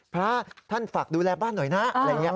พระท่านฝากดูแลบ้านหน่อยนะ